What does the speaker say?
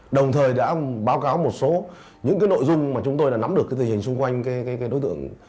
đồng thời đã báo cáo một số những nội dung mà chúng tôi đã nắm được tình hình xung quanh đối tượng